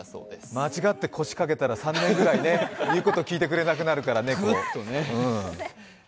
間違って腰掛けたら、３年ぐらい言うこと聞いてくれなくなるから、猫。